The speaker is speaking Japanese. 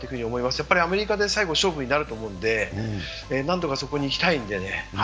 やっぱりアメリカで最後勝負になると思うので、何とかそこに行きたいんでね。